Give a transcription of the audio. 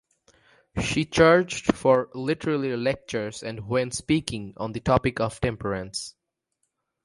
She charged for literary lectures and when speaking on the topic of temperance.